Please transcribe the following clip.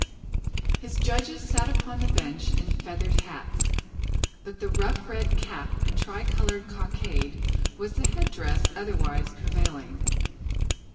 His judges sat upon the Bench in feathered hats; but the rough red cap and tricoloured cockade was the head dress otherwise prevailing.